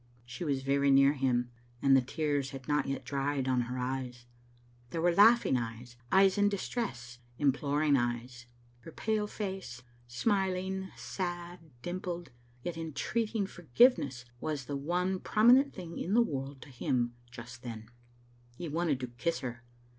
She was very near him, and the tears had not yet dried on her eyes. They were laughing eyes, eyes in Digitized by VjOOQ IC f n Approval of TBOometu 175 distress, imploring eyes. Her pale face, smiling, sad, dimpled, yet entreating forgiveness, was the one promi nent thing in the world to him just then. He wanted to kiss her.